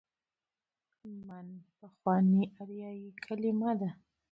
من: پخوانۍ آریايي کليمه ده.